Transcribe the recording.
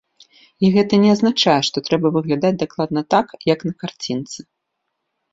І гэта не азначае, што трэба выглядаць дакладна так, як на карцінцы.